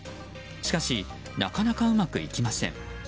しかし、なかなかうまくいきません。